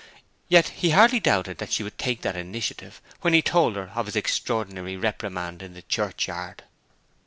Yet he hardly doubted that she would take that initiative when he told her of his extraordinary reprimand in the churchyard.